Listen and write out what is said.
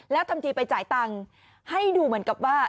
แล้วทำทีไปจ่ายตังค์ให้ดูเหมือนกับว่า